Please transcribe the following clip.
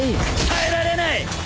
耐えられない。